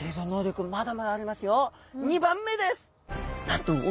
２番目です！